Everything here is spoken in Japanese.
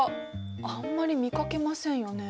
あんまり見かけませんよね。